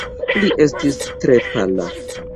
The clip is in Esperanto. Li estis tre pala.